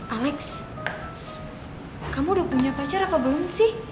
alex kamu udah punya pacar apa belum sih